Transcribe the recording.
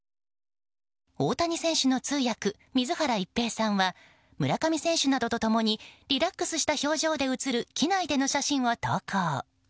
大谷選手の通訳・水原一平さんは村上選手などと共にリラックスした表情で写る機内での写真を投稿。